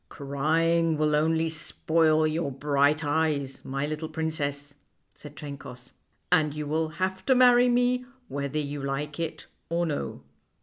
" Crying will only spoil your bright eyes, my little princess," said Trencoss, " and you will have to marry me whether you like it or no."